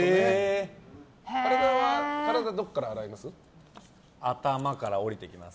体はどこから洗います？